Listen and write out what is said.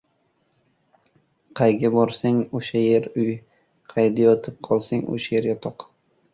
• Qayga borsang, o‘sha yer — uy, qayda yotib qolsang, o‘sha yer — yotoq.